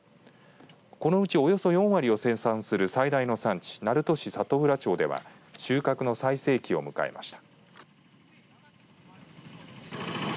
このうちおよそ４割を生産する最大の産地鳴門市里浦町では収穫の最盛期を迎えました。